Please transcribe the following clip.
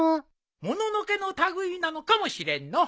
もののけの類いなのかもしれんのう。